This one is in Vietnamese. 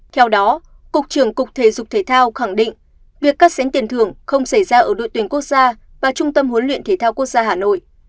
theo đó cục trưởng cục thể dục thể thao khẳng định việc cắt xén tiền thưởng không xảy ra ở đội tuyển quốc gia và trung tâm huấn luyện thể thao quốc gia hà nội